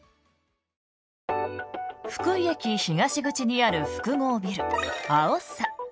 福井駅東口にある複合ビルアオッサ。